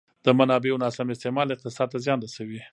د منابعو ناسم استعمال اقتصاد ته زیان رسوي.